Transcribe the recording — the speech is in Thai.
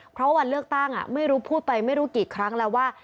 เพราะวันเลือกตั้งไม่รู้พูดไปไม่รู้กี่ครั้งแล้วว่า